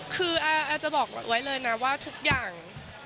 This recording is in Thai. คืออาจจะบอกไว้เลยนะว่าทุกอย่าง